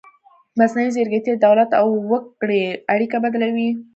مصنوعي ځیرکتیا د دولت او وګړي اړیکه بدلوي.